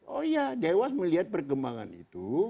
oh iya dewas melihat perkembangan itu